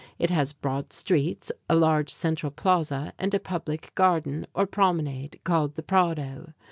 It has broad streets, a large central plaza and a public garden, or promenade, called the Prado.